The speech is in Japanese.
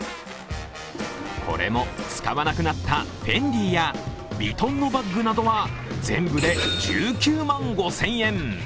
これも使わなくなったフェンディやヴィトンのバッグなどは全部で１９万５０００円。